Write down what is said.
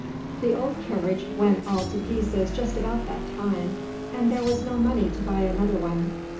The old carriage went all to pieces just about that time, and there was no money to buy another one.